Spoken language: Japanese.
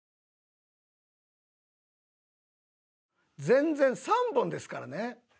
「全然３本ですからね」